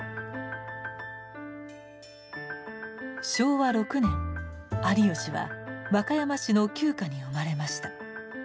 昭和６年有吉は和歌山市の旧家に生まれました。